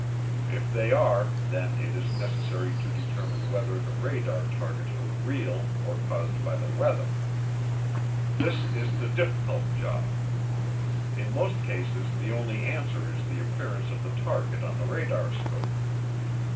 If they are, then it is necessary to determine whether the radar targets were real or caused by the weather. This is the difficult job. In most cases the only answer is the appearance of the target on the radar scope.